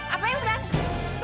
apa yang berlaku